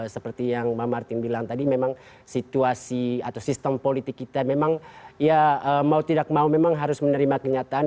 seperti yang bang martin bilang tadi memang situasi atau sistem politik kita memang ya mau tidak mau memang harus menerima kenyataan